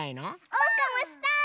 おうかもしたい！